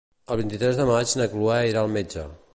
El vint-i-tres de maig na Cloè irà al metge.